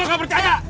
gue gak percaya